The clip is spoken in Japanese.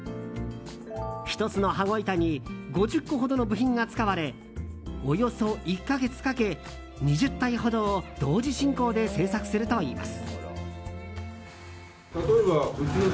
１つの羽子板に５０個ほどの部品が使われおよそ１か月かけ、２０体ほどを同時進行で制作するといいます。